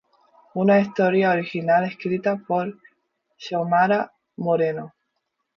Una historia original escrita por Xiomara Moreno.